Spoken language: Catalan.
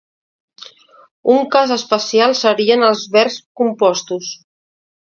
Un cas especial serien els verbs compostos.